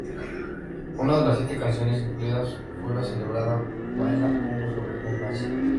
Una de las siete canciones incluidas fue la celebrada "Baila pogo sobre un nazi".